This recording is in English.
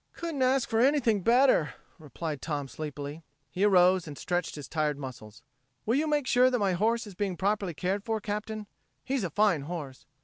"Couldn't ask for anything better," replied Tom sleepily. He arose and stretched his tired muscles. "Will you make sure that my horse is being properly cared for, Captain? He's a fine horse....